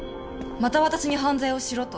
また私に犯罪をしろと？